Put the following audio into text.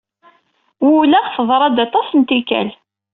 Wulaɣ teḍra-d aṭas n tikkal.